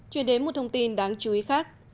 chuyển đến một thông tin đáng chú ý khác